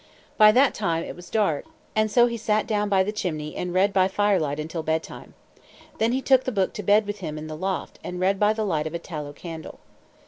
By that time it was dark, and so he sat down by the chimney and read by firelight until bedtime. Then he took the book to bed with him in the loft, and read by the light of a tallow candle.